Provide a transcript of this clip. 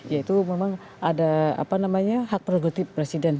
yaitu memang ada apa namanya hak produktif presiden